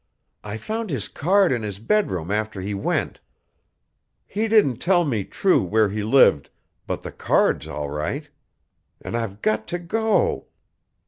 I found his card in his bedroom after he went. He didn't tell me true where he lived, but the card's all right. An' I've got t' go!"